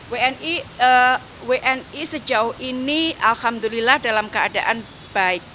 wni sejauh ini alhamdulillah dalam keadaan baik